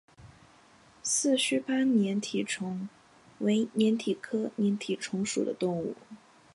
四须鲃粘体虫为粘体科粘体虫属的动物。